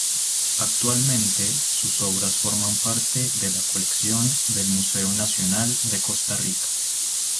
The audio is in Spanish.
Actualmente, sus obras forman parte de la colección del Museo Nacional de Costa Rica.